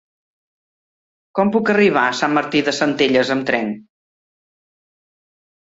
Com puc arribar a Sant Martí de Centelles amb tren?